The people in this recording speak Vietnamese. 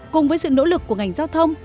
cùng với sự nỗ lực của ngành giao thông